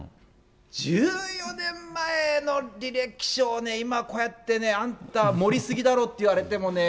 １４年前の履歴書をね、今こうやってね、あんた盛り過ぎだろって言われてもね。